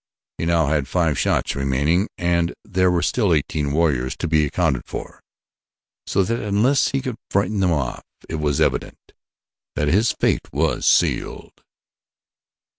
He now had five shots remaining and there were still eighteen warriors to be accounted for, so that unless he could frighten them off, it was evident that his fate was sealed.